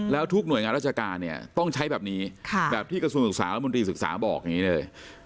แล้วทุกหน่วยงานราชการเนี่ยต้องใช้แบบนี้แบบที่กระทรวงศึกษารัฐมนตรีศึกษาบอกอย่างนี้เลย